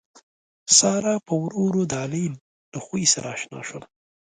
ساره پّ ورو ورو د علي له خوي سره اشنا شوله